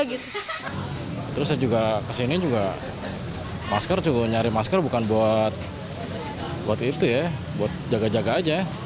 terus saya juga kesini juga masker cukup nyari masker bukan buat itu ya buat jaga jaga aja